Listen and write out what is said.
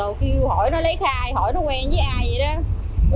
rồi công an kêu hỏi nó lấy khai hỏi nó quen với ai vậy đó